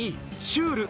シュール！